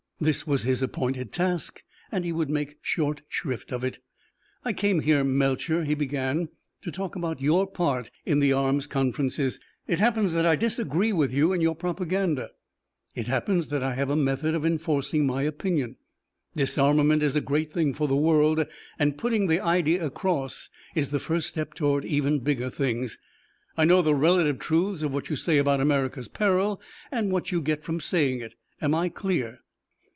This was his appointed task and he would make short shrift of it. "I came here, Melcher," he began, "to talk about your part in the arms conferences. It happens that I disagree with you and your propaganda. It happens that I have a method of enforcing my opinion. Disarmament is a great thing for the world, and putting the idea across is the first step toward even bigger things. I know the relative truths of what you say about America's peril and what you get from saying it. Am I clear?"